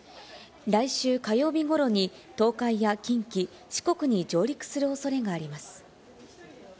来週火曜日ごろに東海や近畿、四国に上陸するおそれがあります。